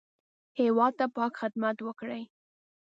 هېواد ته پاک خدمت وکړئ